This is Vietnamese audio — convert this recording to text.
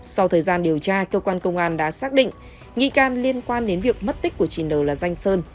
sau thời gian điều tra cơ quan công an đã xác định nghi can liên quan đến việc mất tích của chị đầu là danh sơn